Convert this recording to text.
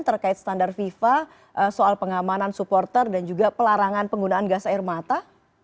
terkait standar fifa soal pengamanan supporter dan juga pelarangan penggunaan gas air mata